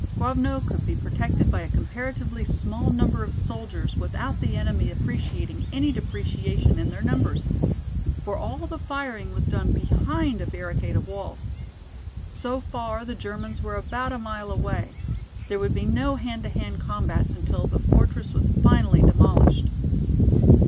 Grovno could be protected by a comparatively small number of soldiers without the enemy appreciating any depreciation in their numbers. For all the firing was done behind a barricade of walls. So far the Germans were about a mile away. There would be no hand to hand combats until the fortress was finally demolished.